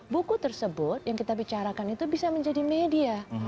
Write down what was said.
buku tersebut yang kita bicarakan itu bisa menjadi media